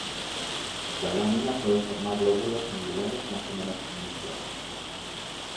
La lámina puede formar lóbulos angulares más o menos pronunciados.